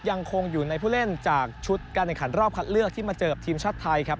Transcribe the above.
ยังคงอยู่ในผู้เล่นจากชุดการแข่งขันรอบคัดเลือกที่มาเจอกับทีมชาติไทยครับ